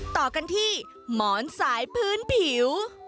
ต่อกันที่หมอนสายพื้นผิว